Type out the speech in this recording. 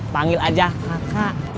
panggil aja kakak